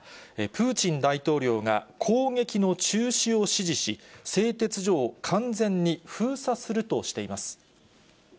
プーチン大統領が、攻撃の中止を指示し、製鉄所を完全に封鎖するとしています。